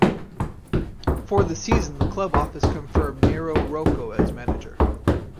For the season the club office confirmed Nereo Rocco as manager.